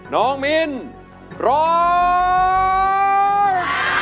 น้องมินร้อง